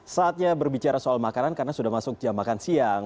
saatnya berbicara soal makanan karena sudah masuk jam makan siang